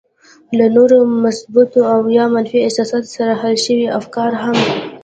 له نورو مثبتو او يا منفي احساساتو سره حل شوي افکار هم.